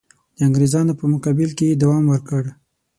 د انګرېزانو په مقابل کې یې دوام ورکړ.